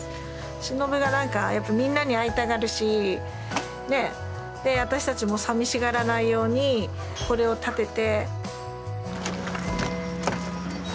忍がなんかやっぱみんなに会いたがるし私たちもさみしがらないようにこれを建てて。